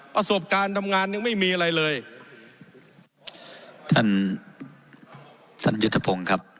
ประสบการณ์ทำงานยังไม่มีอะไรเลยท่านสัญยุทธพงศ์ครับ